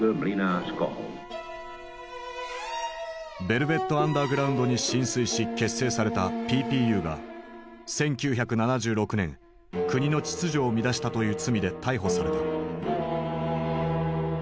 ヴェルヴェット・アンダーグラウンドに心酔し結成されたＰＰＵが１９７６年国の秩序を乱したという罪で逮捕された。